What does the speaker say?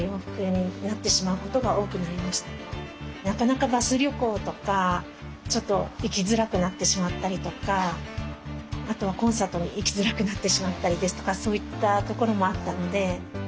なかなかバス旅行とかちょっと行きづらくなってしまったりとかあとはコンサートに行きづらくなってしまったりですとかそういったところもあったので。